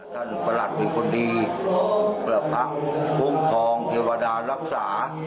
ท่านประหลัดคุณคนดีประหลักควงคลองเอวราลักษะ